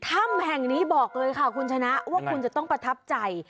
ถ้ำแห่งนี้บอกเลยค่ะคุณชนะว่าคุณจะต้องประทับใจ